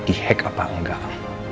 di hack apa enggak